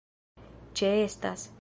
ĉeestas